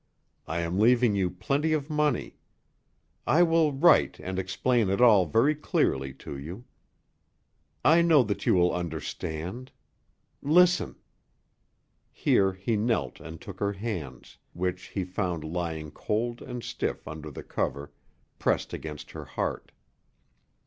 I am leaving you plenty of money. I will write and explain it all very clearly to you. I know that you will understand. Listen." Here he knelt and took her hands, which he found lying cold and stiff under the cover, pressed against her heart.